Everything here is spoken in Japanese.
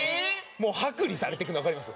もう剥離されていくのわかります？